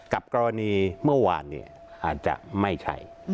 กับกรณีเมื่อวานอาจจะไม่ใช่